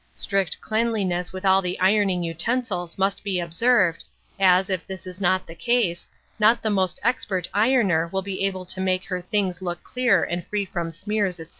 Strict cleanliness with all the ironing utensils must be observed, as, if this is not the case, not the most expert ironer will be able to make her things look clear and free from smears, &c.